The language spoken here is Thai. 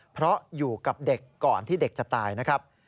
เพราะอยู่กับเด็กก่อนที่เด็กจะตายนะครับ